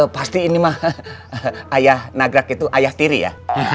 pasti ini mah ayah nagrak itu ayah tiri ya